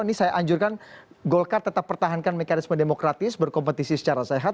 ini saya anjurkan golkar tetap pertahankan mekanisme demokratis berkompetisi secara sehat